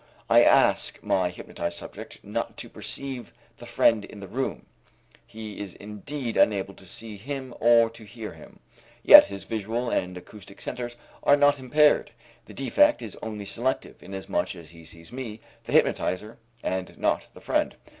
I ask my hypnotized subject not to perceive the friend in the room; he is indeed unable to see him or to hear him. Yet his visual and acoustic centers are not impaired, the defect is only selective, inasmuch as he sees me, the hypnotizer, and not the friend.